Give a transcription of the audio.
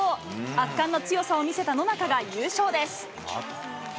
圧巻の強さを見せた野中が優勝です。